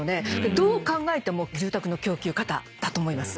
どう考えても住宅の供給過多だと思います。